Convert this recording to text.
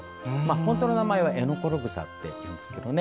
本当の名前はエノコログサというんですが。